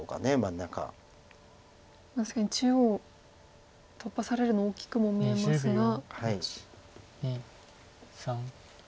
確かに中央突破されるの大きくも見えますが。